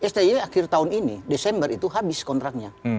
sti akhir tahun ini desember itu habis kontraknya